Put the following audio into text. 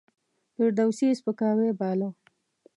فردوسي سپکاوی باله.